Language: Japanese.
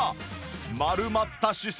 丸まった姿勢が